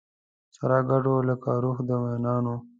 سره ګډو لکه روح د مینانو